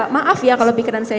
maaf ya kalau pikiran saya